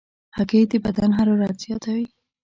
هګۍ د بدن حرارت زیاتوي.